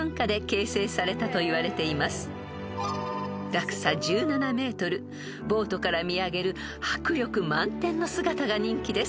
［落差１７ｍボートから見上げる迫力満点の姿が人気です］